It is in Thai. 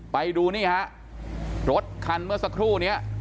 ไปดูนี่ฮะรถคันเมื่อสักครู่นี้